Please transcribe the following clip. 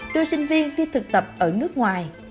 đưa sinh viên đi thực tập ở nước ngoài